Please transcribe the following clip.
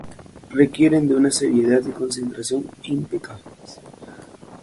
Requieren de una seriedad y concentración impecables.